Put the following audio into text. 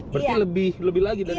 berarti lebih lagi dari